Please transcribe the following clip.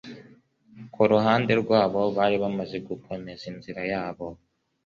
Ku ruhande rwabo bari bamaze gukomeza inzira yabo